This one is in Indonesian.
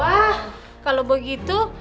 wah kalau begitu